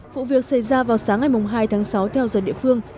vụ việc xảy ra vào sáng ngày hai tháng sáu theo giờ địa phương